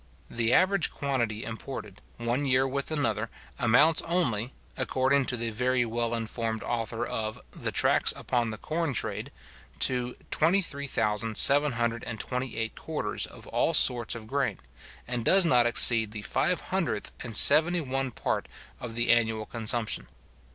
The average quantity imported, one year with another, amounts only, according to the very well informed author of the Tracts upon the Corn Trade, to 23,728 quarters of all sorts of grain, and does not exceed the five hundredth and seventy one part of the annual consumption.